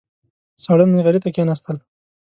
ساړه نغري ته کېناستل.